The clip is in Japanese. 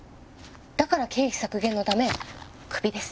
だから経費削減のためクビです。